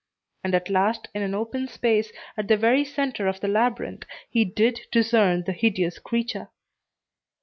And at last, in an open space, at the very center of the labyrinth, he did discern the hideous creature.